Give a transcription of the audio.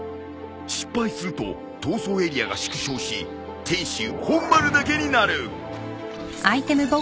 失敗すると逃走エリアが縮小し天守本丸だけになる。